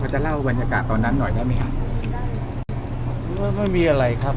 ไม่จะเล่าบรรยากาศตอนนั้นน้อยได้มึงครับก็ไม่มีอะไรครับ